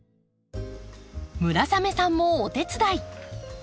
村雨さんもお手伝い！